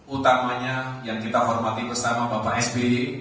utamanya yang kita hormati bersama bapak sby